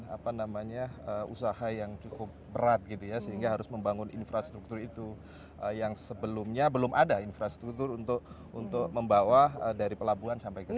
apa namanya usaha yang cukup berat gitu ya sehingga harus membangun infrastruktur itu yang sebelumnya belum ada infrastruktur untuk membawa dari pelabuhan sampai ke sana